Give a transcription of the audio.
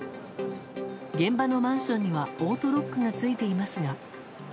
現場のマンションにはオートロックがついていますが。